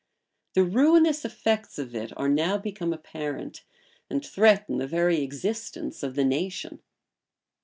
The ruinous effects of it are now become apparent, and threaten the very existence of the nation.